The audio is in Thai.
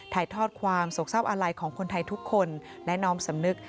ถ่ายทอดความโศกเศร้าอาลัยของคนไทยทุกคนและน้อมสำนึก